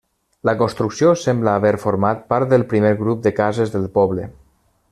La construcció sembla haver format part del primer grup de cases del poble.